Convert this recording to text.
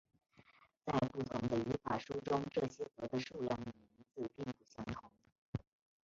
在不同的语法书中这些格的数量与名字并不相同。